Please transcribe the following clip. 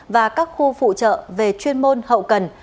và các khu phụ trợ về chuyên môn hậu cần